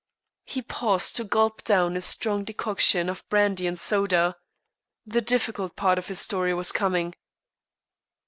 He paused to gulp down a strong decoction of brandy and soda. The difficult part of his story was coming.